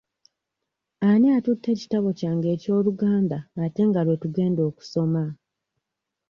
Ani atutte ekitabo kyange eky'Oluganda ate nga lwe tugenda okusoma?